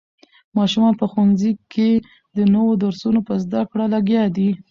ماشومان په ښوونځي کې د نوو درسونو په زده کړه لګیا دي.